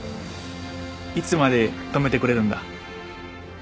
いつまで泊めてくれるんだ？